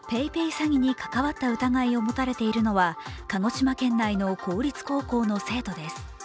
詐欺に関わった疑いを持たれているのは鹿児島県内の公立高校の生徒です。